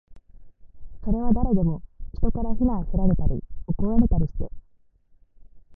それは誰でも、人から非難せられたり、怒られたりして